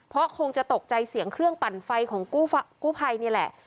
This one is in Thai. เพราะคงจะตกใจเสียงเครื่องปั่นไฟของกู้ภัยนี่แหละ